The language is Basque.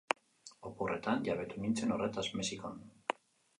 Oporretan jabetu nintzen horretaz, Mexikon.